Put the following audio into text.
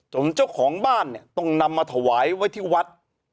เจ้าของบ้านเนี่ยต้องนำมาถวายไว้ที่วัด